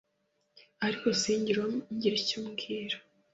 ariko singire uwo ngira icyo mbwira